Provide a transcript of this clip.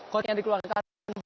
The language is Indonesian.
kuota yang dikeluarkan